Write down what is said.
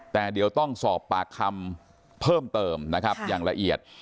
แต่เดี๋ยวต้องสอบปากคำเพิ่มเติมนะครับอย่างละเอียด